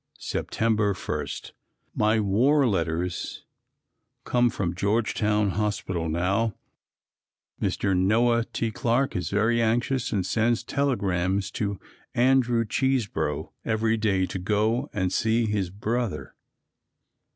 September 1. My war letters come from Georgetown Hospital now. Mr. Noah T. Clarke is very anxious and sends telegrams to Andrew Chesebro every day to go and see his brother.